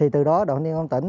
từ đó đoàn viên công tỉnh